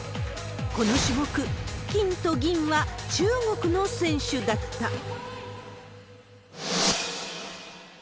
この種目、金と銀は中国の選手だった。